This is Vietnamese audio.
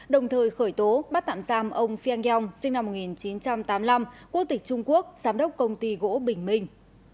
đồng thời khởi tố bắt tạm giam ông phiang yong sinh năm một nghìn chín trăm tám mươi năm quốc tịch trung quốc giám đốc công ty gỗ bình minh